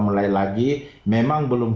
mulai lagi memang belum